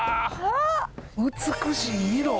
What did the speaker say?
美しい色。